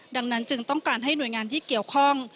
ดังนั้นจึงต้องการให้หน่วยงานที่เกี่ยวข้อง